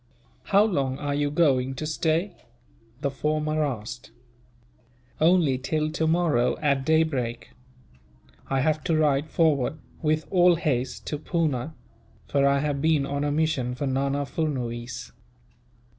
"How long are you going to stay?" the former asked. "Only till tomorrow, at daybreak. I have to ride forward, with all haste, to Poona; for I have been on a mission for Nana Furnuwees."